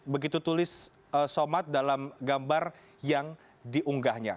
begitu tulis somad dalam gambar yang diunggahnya